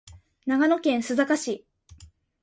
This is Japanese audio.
長野県須坂市